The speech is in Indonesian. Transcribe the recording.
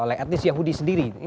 etnis yahudi sendiri